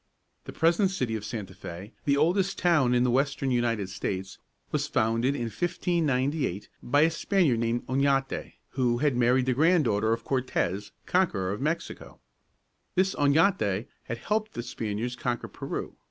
The present city of Santa Fé, the oldest town in the western United States, was founded in 1598 by a Spaniard named Oñate (ōn yah´tā), who had married the granddaughter of Cortez, conqueror of Mexico. This Oñate had helped the Spaniards conquer Peru.